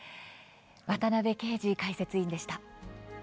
渡部圭司解説委員でした。